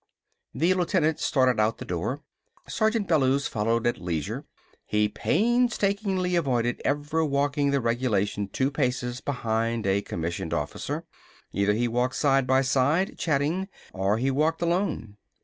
The lieutenant started out of the door. Sergeant Bellews followed at leisure. He painstakingly avoided ever walking the regulation two paces behind a commissioned officer. Either he walked side by side, chatting, or he walked alone.